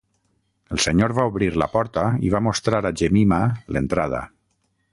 El senyor va obrir la porta i la va mostrar a Jemima l'entrada.